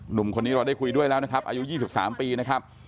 หนุ่มคนนี้เราได้คุยด้วยแล้วนะครับอายุ๒๓ปีนะครับ